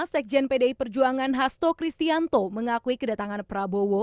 sekjen pdi perjuangan hasto kristianto mengakui kedatangan prabowo